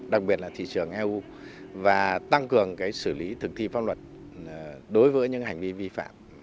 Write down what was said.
đặc biệt là thị trường eu và tăng cường xử lý thực thi pháp luật đối với những hành vi vi phạm